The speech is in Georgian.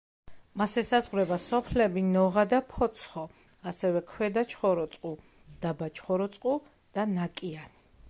მას ესაზღვრება სოფლები: ნოღა და ფოცხო, ასევე ქვედა ჩხოროწყუ, დაბა ჩხოროწყუ და ნაკიანი.